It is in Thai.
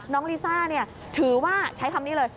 ลิซ่าถือว่าใช้คำนี้เลย